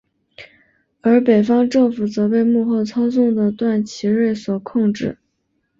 而北方政府则被幕后操纵的段祺瑞所控制。